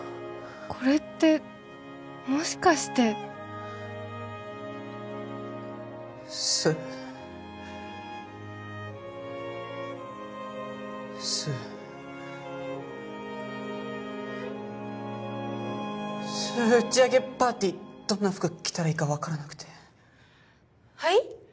これってもしかしてすすす打ち上げパーティーどんな服着たらいいか分からなくてはい？